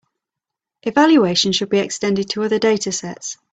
Evaluation should be extended to other datasets.